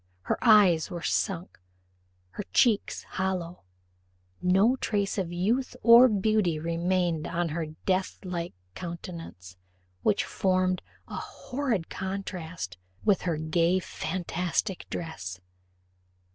Her eyes were sunk, her cheeks hollow; no trace of youth or beauty remained on her death like countenance, which formed a horrid contrast with her gay fantastic dress.